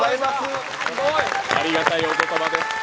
ありがたいお言葉です。